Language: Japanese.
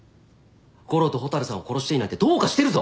悟郎と蛍さんを殺していいなんてどうかしてるぞ！